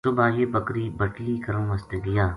صبح یہ بکری بٹلی کرن واسطے گیا